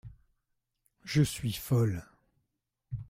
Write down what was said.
Je suis folle.